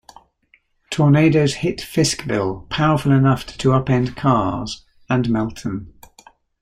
Tornadoes hit Fiskville, powerful enough to upend cars, and Melton.